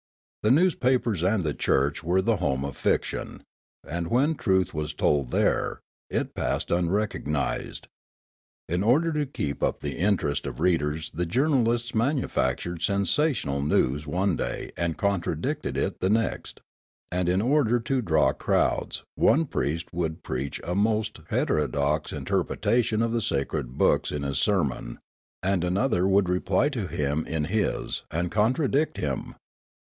The newspapers and the church were the home of fiction ; and when truth was told there, it passed unrecognised. In order to keep up the interest of readers the journalists manufactured sensational news one da}' and contradicted it the next ; and in order to draw crowds one priest would preach a most hetero dox interpretation of the sacred books in his sermon and another would reply to him in his and contradict him.